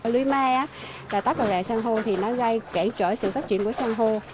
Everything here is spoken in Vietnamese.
lưới ma tắp vào rạng sang hô thì nó gây kể trở sự phát triển của sang hô